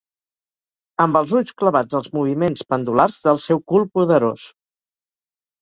Amb els ulls clavats als moviments pendulars del seu cul poderós.